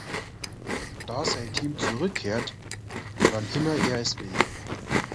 Da sein Team zurückkehrt, wann immer er es will.